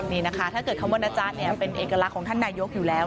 นี่นะคะถ้าเกิดคำว่านะจ๊ะเนี่ยเป็นเอกลักษณ์ของท่านนายกอยู่แล้ว